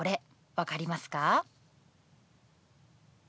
分かりますか？」。